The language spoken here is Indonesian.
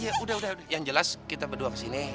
ya udah udah yang jelas kita berdua kesini